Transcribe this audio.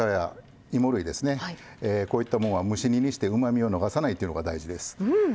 こういったものは蒸し煮にしてうまみを逃さないというのが大事です。